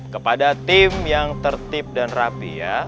kepada tim yang tertib dan rapi